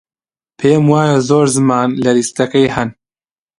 پێم وایە زۆر زمان لە لیستەکەی هەن.